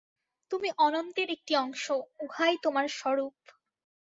তুমি অনন্তের একটি অংশ, উহাই তোমার স্বরূপ।